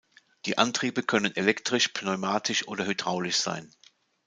Die Antriebe können elektrisch, pneumatisch oder hydraulisch sein.